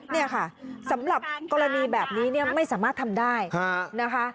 เนี่ยค่ะสำหรับกรณีแบบนี้เนี่ยไม่สามารถทำได้นะคะ